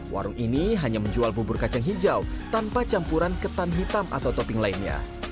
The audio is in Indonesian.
warung ini hanya menjual bubur kacang hijau tanpa campuran ketan hitam atau topping lainnya